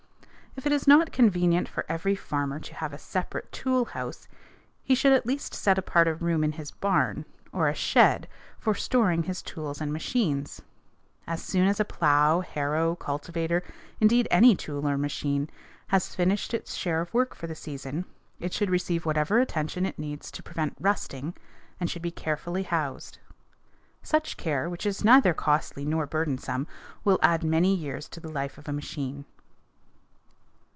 If it is not convenient for every farmer to have a separate tool house, he should at least set apart a room in his barn, or a shed for storing his tools and machines. As soon as a plow, harrow, cultivator indeed any tool or machine has finished its share of work for the season, it should receive whatever attention it needs to prevent rusting, and should be carefully housed. Such care, which is neither costly nor burdensome, will add many years to the life of a machine.